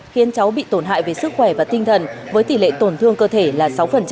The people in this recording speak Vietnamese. khiến cháu bị tổn hại về sức khỏe và tinh thần với tỷ lệ tổn thương cơ thể là sáu